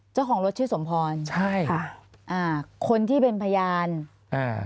เจ้าของรถชื่อสมพรใช่ค่ะอ่าคนที่เป็นพยานอ่า